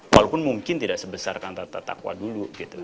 walaupun mungkin tidak sebesar kata kata taqwa dulu gitu